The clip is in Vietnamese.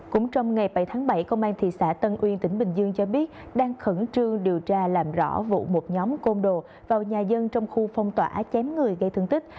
cũng trong ngày bảy tháng bảy công an thị xã tân uyên tỉnh bình dương cho biết đang khẩn trương điều tra làm rõ vụ một nhóm côn đồ vào nhà dân trong khu phong tỏa chém người gây thương tích